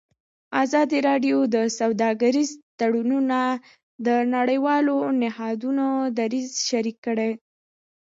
ازادي راډیو د سوداګریز تړونونه د نړیوالو نهادونو دریځ شریک کړی.